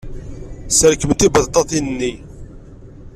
Sserkem-d tibaṭaṭatin-nni.